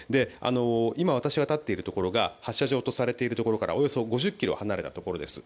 今、私が立っているところが発射場とされているところからおよそ５０ｋｍ離れたところです。